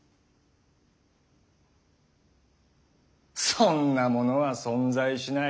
そんなものは存在しない。